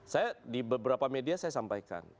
saya di beberapa media saya sampaikan